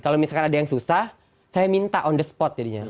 kalau misalkan ada yang susah saya minta on the spot jadinya